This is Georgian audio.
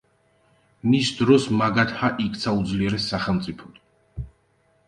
მის დროს მაგადჰა იქცა უძლიერეს სახელმწიფოდ.